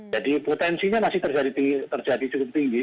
jadi potensinya masih terjadi cukup tinggi